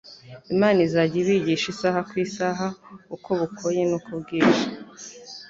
Imana izajya ibigisha isaha ku isaha, uko bukoye nuko bwije.